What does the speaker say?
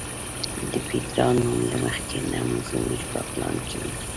د پیترا نوم له مخکې نه زموږ په پلان کې و.